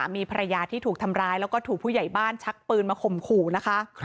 มีภรรยาที่ถูกทำร้ายแล้วก็ถูกผู้ใหญ่บ้านชักปืนมาข่มขู่นะคะ